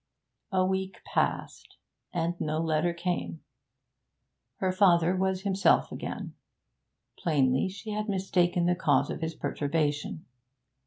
A week passed, and no letter came. Her father was himself again; plainly she had mistaken the cause of his perturbation.